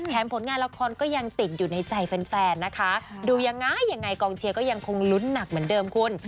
ผลงานละครก็ยังติดอยู่ในใจแฟนนะคะดูยังไงยังไงกองเชียร์ก็ยังคงลุ้นหนักเหมือนเดิมคุณ